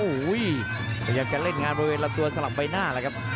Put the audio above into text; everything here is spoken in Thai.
อุ้ยพยายามได้เล่นงานเป็นตัวสลับไปหน้าละครับ